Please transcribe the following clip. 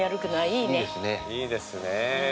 いいですね。